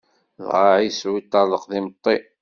Dɣa Ɛisu yeṭṭerḍeq d imeṭṭi.